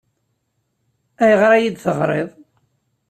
Ayɣer ay iyi-d-teɣriḍ?